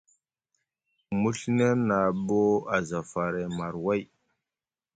Mu Ɵina na ɓa aza faray marway.